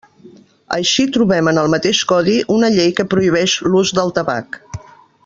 Així trobem en el mateix codi una llei que prohibeix l'ús del tabac.